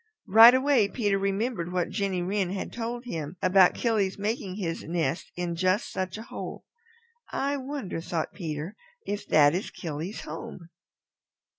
Right away Peter remembered what Jenny Wren had told him about Killy's making his nest in just such a hole. "I wonder," thought Peter, "if that is Killy's home."